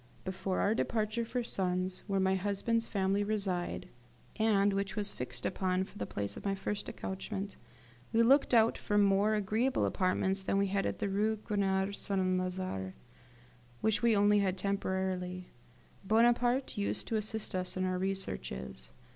Before our departure for Sens, where my husband's family reside, and which was fixed upon for the place of my first accouchement, we looked out for more agreeable apartments than we had in the Rue Grenier St. Lazare, which we only had temporarily. Bonaparte used to assist us in our researches.